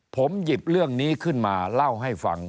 ผมหยิบเรื่องนี้ขึ้นมาเล่าให้ฟัง